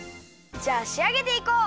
じゃあしあげていこう！